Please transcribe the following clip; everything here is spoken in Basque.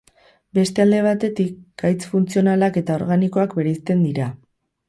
Beste alde batetik gaitz funtzionalak eta organikoak bereizten dira.